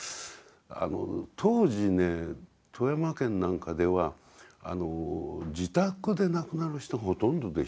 当時ね富山県なんかでは自宅で亡くなる人がほとんどでした。